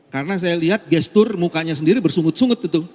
karena saya lihat gestur mukanya sendiri bersunggut sunggut gitu